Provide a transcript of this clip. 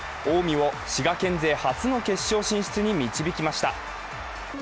近江を滋賀県勢初の決勝進出に導きました。